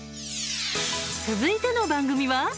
続いての番組は。